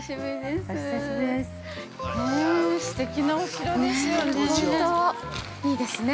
◆すてきなお城ですよね。